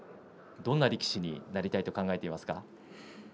どんな力士になりたいと考えていますか？